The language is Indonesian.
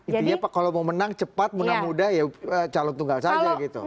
itu ya pak kalau mau menang cepat menang mudah ya calon tunggal saja gitu